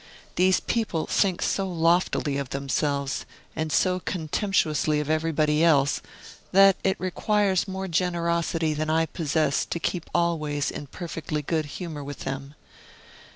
These people think so loftily of themselves, and so contemptuously of everybody else, that it requires more generosity than I possess to keep always in perfectly good humor with them.